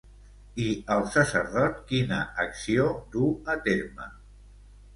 I el sacerdot quina acció du a terme?